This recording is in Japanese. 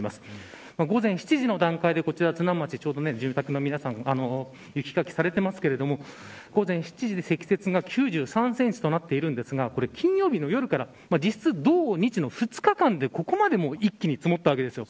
午前７時の段階で津南町皆さん雪かきされていますけど午前７時で積雪が９３センチとなっていますが金曜日の夜から実質、土日の２日間でここまで一気に積もりました。